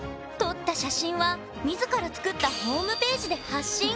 撮った写真は自ら作ったホームページで発信！